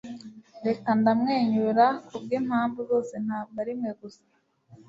reka ndamwenyure kubwimpamvu zose ntabwo arimwe gusa